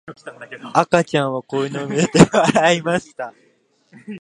赤ちゃんは子犬を見て笑いました。